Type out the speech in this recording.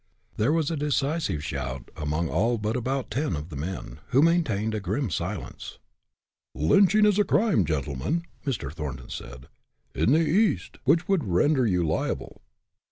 '" There was a decisive shout among all but about ten of the men, who maintained a grim silence. "Lynching is a crime, gentlemen," Mr. Thornton said, "in the East, which would render you liable.